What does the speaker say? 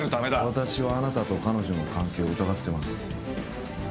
私はあなたと彼女の関係を疑ってます